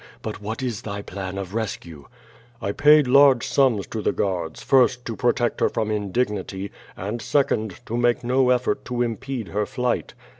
"But what is thy plan of rescue?" "I paid large sums to the guards, first, to protect her from indignity, and second, to make no eflEort to impede her flight."